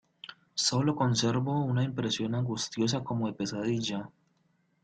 sólo conservo una impresión angustiosa como de pesadilla.